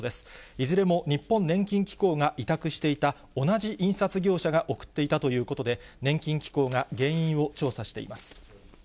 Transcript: いずれも日本年金機構が委託していた、同じ印刷業者が送っていたということで、年金機構が原因を調査しています。